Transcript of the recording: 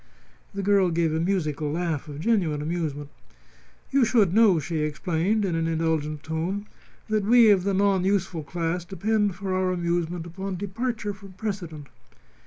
The girl gave a musical laugh of genuine amusement. "You should know," she explained, in an indulgent tone, "that we of the non useful class depend for our amusement upon departure from precedent.